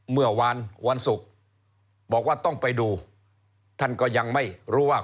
เมื่อวานวันศุกร์บอกว่าต้องไปดูท่านก็ยังไม่รู้ว่า